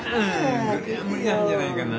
それは無理なんじゃないかな。